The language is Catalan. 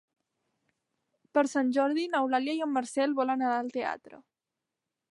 Per Sant Jordi n'Eulàlia i en Marcel volen anar al teatre.